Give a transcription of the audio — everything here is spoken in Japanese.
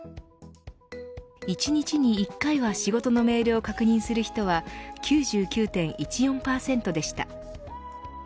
１日に１回は仕事のメールを確認する人は９９．１４％でした。